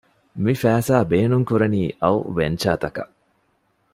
މި ފައިސާ ބޭނުން ކުރަނީ އައު ވެންޗަރތަކަށް